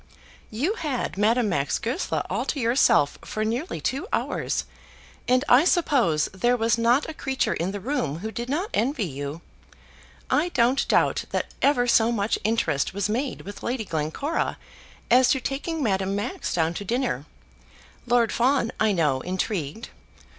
"You had Madame Max Goesler all to yourself for nearly two hours, and I suppose there was not a creature in the room who did not envy you. I don't doubt that ever so much interest was made with Lady Glencora as to taking Madame Max down to dinner. Lord Fawn, I know, intrigued."